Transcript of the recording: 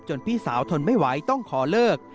พี่สาวทนไม่ไหวต้องขอเลิก